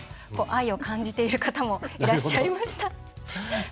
愛を感じている方もいらっしゃいました。